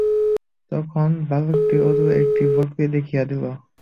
তখন বালকটি অদূরের একটি বকরী দেখিয়ে দিল।